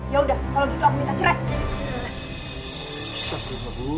yaudah kalau gitu aku minta cerai